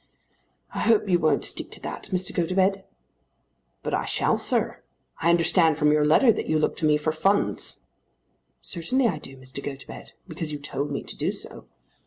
"I hope you won't stick to that, Mr. Gotobed." "But I shall, sir. I understand from your letter that you look to me for funds." "Certainly I do, Mr. Gotobed; because you told me to do so."